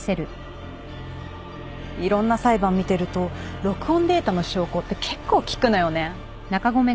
いろんな裁判見てると録音データの証拠って結構きくのよね。